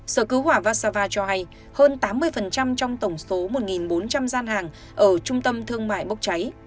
sở cứu hỏa vassava cho hay hơn tám mươi trong tổng số một bốn trăm linh gian hàng ở trung tâm thương mại bốc cháy